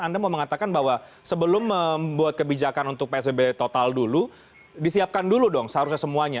anda mau mengatakan bahwa sebelum membuat kebijakan untuk psbb total dulu disiapkan dulu dong seharusnya semuanya